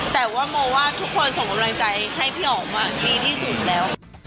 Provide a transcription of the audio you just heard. แต่ว่าโมว่าทุกคนส่งกำลังใจให้พี่อ๋อมดีที่สุดแล้ว